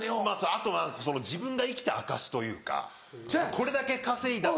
あとは自分が生きた証しというかこれだけ稼いだから。